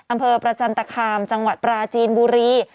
อำเภอประจันตคามจังหวัดปราจีนบุรี